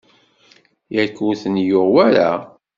Yak ur ten-yuɣ wara?